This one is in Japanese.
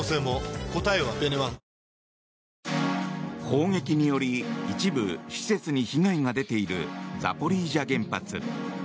砲撃により一部施設に被害が出ているザポリージャ原発。